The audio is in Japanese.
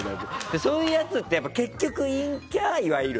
そういうやつって結局陰キャ、いわゆる。